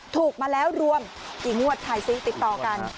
ถูกมาแล้วรวมกี่งวดถ่ายซิติดต่อกัน